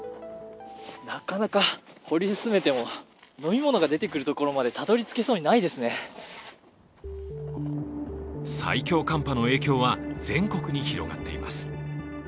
なかなか掘り進めても、飲み物が出てくるところまで最強寒波の影響は全国に広がっています。